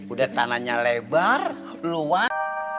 udah tanahnya lebar luar